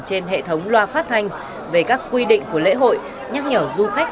trên hệ thống loa phát hành về các quy định của lễ hội nhắc nhở du khách